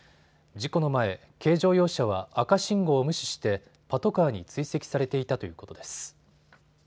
事故の前、軽乗用車は赤信号を無視してパトカーに追跡されていたということです。